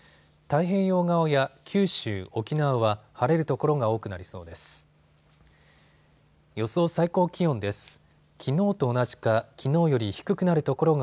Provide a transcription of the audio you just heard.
太平洋側や九州、沖縄は晴れる所が多くなりそうです。